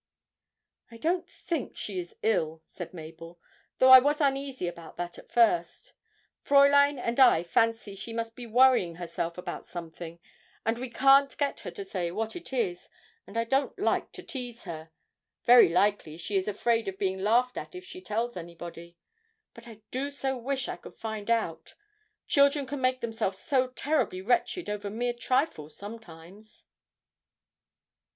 'I don't think she is ill,' said Mabel, 'though I was uneasy about that at first. Fräulein and I fancy she must be worrying herself about something, but we can't get her to say what it is, and I don't like to tease her; very likely she is afraid of being laughed at if she tells anybody. But I do so wish I could find out; children can make themselves so terribly wretched over mere trifles sometimes.'